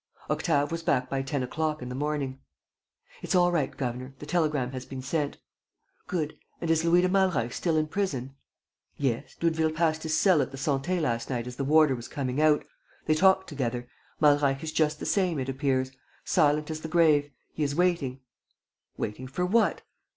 Octave was back by ten o'clock in the morning: "It's all right, governor. The telegram has been sent." "Good. And is Louis de Malreich still in prison?" "Yes. Doudeville passed his cell at the Santé last night as the warder was coming out. They talked together. Malreich is just the same, it appears: silent as the grave. He is waiting." "Waiting for what?"